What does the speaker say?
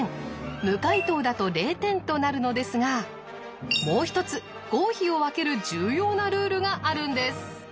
無回答だと０点となるのですがもう一つ合否を分ける重要なルールがあるんです。